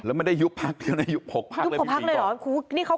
แล้วมันได้ยุบภักด์ก็ได้ยุบ๖ภักต์เลยพี่ศรีก่อน